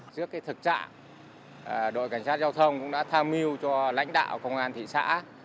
giữa cái thực trạng đội cảnh sát giao thông cũng đã tha mưu cho lãnh đạo công an thị xã